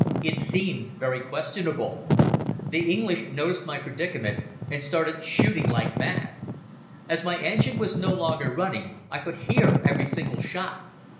It seemed very questionable. The English noticed my predicament and started shooting like mad. "As my engine was no longer running I could hear every single shot.